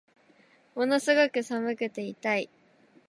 ものすごく寒くて痛い